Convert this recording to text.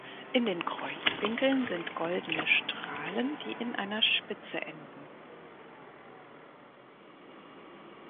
In den Kreuzwinkeln sind goldene Strahlen, die in einer Spitze enden.